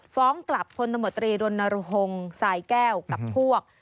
ฟ้องกลับพลตมตรีรณรงฮงสายแก้วกับพวก